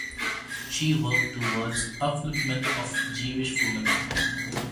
She worked towards upliftment of Jewish women.